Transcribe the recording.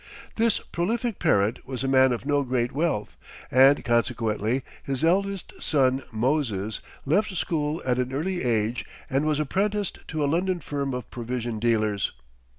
This prolific parent was a man of no great wealth, and consequently his eldest son, Moses, left school at an early age, and was apprenticed to a London firm of provision dealers.